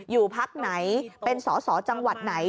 พักไหนเป็นสอสอจังหวัดไหน